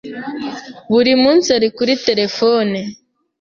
buri munsi ari kuri terefone?